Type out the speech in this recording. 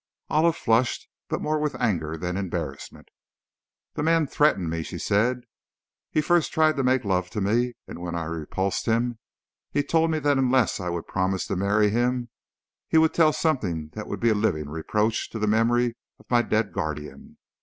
Olive flushed, but more with anger than embarrassment. "The man threatened me," she said, "he first tried to make love to me, and when I repulsed him, he told me that unless I would promise to marry him he would tell something that would be a living reproach to the memory of my dead guardian.